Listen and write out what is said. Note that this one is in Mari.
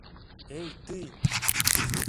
— Эй, ты!